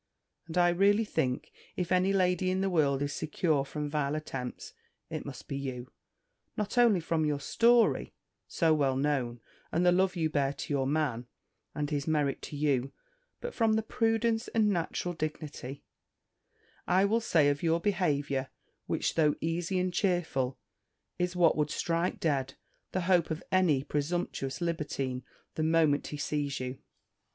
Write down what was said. And I really think, if any lady in the world is secure from vile attempts, it must be you; not only from your story, so well known, and the love you bear to your man, and his merit to you, but from the prudence, and natural dignity, I will say, of your behaviour, which, though easy and cheerful, is what would strike dead the hope of any presumptuous libertine the moment he sees you."